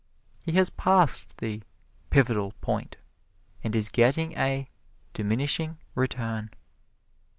He has passed the Pivotal Point and is getting a Diminishing Return.